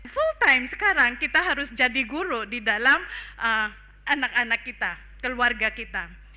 full time sekarang kita harus jadi guru di dalam anak anak kita keluarga kita